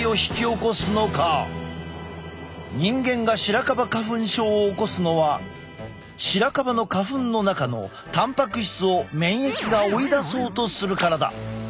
人間がシラカバ花粉症を起こすのはシラカバの花粉の中のたんぱく質を免疫が追い出そうとするからだ。